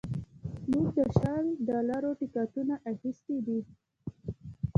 موږ د شل ډالرو ټکټونه اخیستي دي